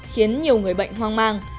khiến nhiều người bệnh hoang mang